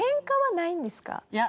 いや。